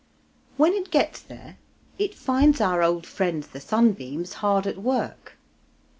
When it gets there it finds our old friends the sun beams hard at work.